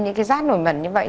những cái rát nổi mẩn như vậy